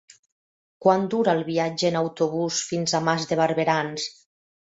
Quant dura el viatge en autobús fins a Mas de Barberans?